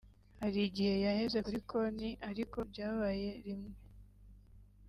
Hari igihe yaheze kuri konti ariko byabaye rimwe […]